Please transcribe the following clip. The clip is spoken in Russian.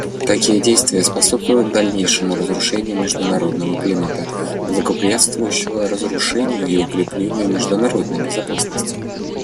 Такие действия способствуют дальнейшему разрушению международного климата, благоприятствующего разоружению и укреплению международной безопасности.